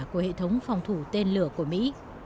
của hệ thống phòng thủ tên lửa của mỹ